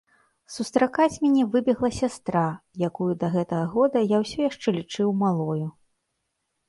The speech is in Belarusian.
Сустракаць мяне выбегла сястра, якую да гэтага года я ўсё яшчэ лічыў малою.